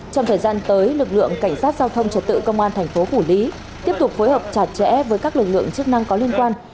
trong thời gian tới lực lượng cảnh sát giao thông trật tự công an thành phố phủ lý tiếp tục phối hợp chặt chẽ với các lực lượng chức năng có liên quan